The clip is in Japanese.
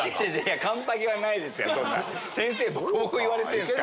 先生ボコボコ言われてんすから。